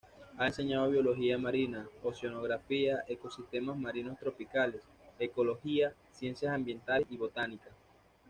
Ha enseñado biología marina, oceanografía, ecosistemas marinos tropicales, ecología, ciencias ambientales, y botánica.